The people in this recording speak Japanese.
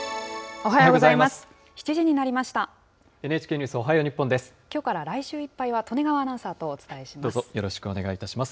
おはようございます。